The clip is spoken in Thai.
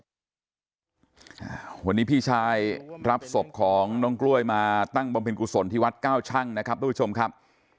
วันนี้พี่ชายรับศพของน้องกล้วยมาตั้งบำเพ็ญกุศลที่วัดเก้าชั่งนะครับทุกผู้ชมครับ